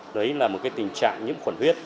đấy là một tình trạng nhiễm khuẩn huyết